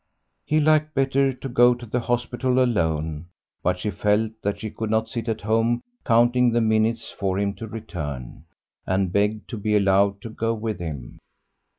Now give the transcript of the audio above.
He liked better to go to the hospital alone, but she felt that she could not sit at home counting the minutes for him to return, and begged to be allowed to go with him.